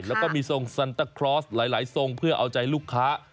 แล้วก็มีทรงซันตะคลอสหลายทรงเพื่อเอาใจลูกค้า